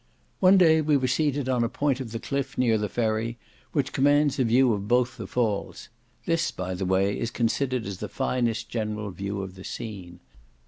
One day we were seated on a point of the cliff, near the ferry, which commands a view of both the Falls. This, by the way, is considered as the finest general view of the scene.